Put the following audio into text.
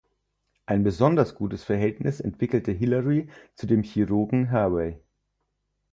Ein besonders gutes Verhältnis entwickelt Hilary zu dem Chirurgen Hervey.